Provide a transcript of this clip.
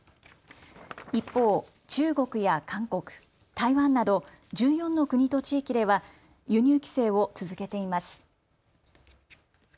一方、中国や韓国、台湾など１４の国と地域では輸入規制を続けています。